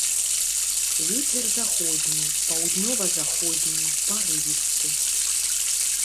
Вецер заходні, паўднёва-заходні парывісты.